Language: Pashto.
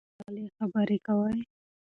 ولې د غېلې خبرې کوې؟